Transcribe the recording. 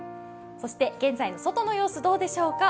そして現在の外の様子どうでしょうか。